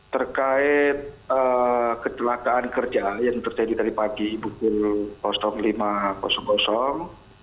terkait kecelakaan kerja yang terjadi tadi pagi pukul lima